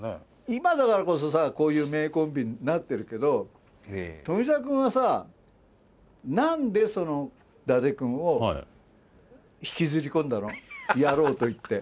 今だからこそさこういう名コンビになってるけど富澤君はさ何でその伊達君を引きずりこんだの？やろうといって。